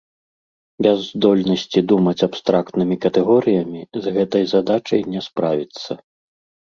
Без здольнасці думаць абстрактнымі катэгорыямі з гэтай задачай не справіцца.